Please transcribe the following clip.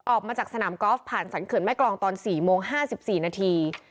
ออกมาจากสนามกอล์ฟผ่านสรรเขื่อนแม่กรองตอน๔โมง๕๔นาที